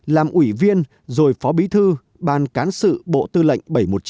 làm ủy viên rồi phó bí thư ban cán sự bộ tư lệnh bảy trăm một mươi chín